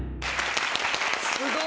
すごい！